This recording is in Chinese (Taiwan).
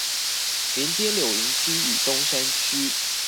連接柳營區與東山區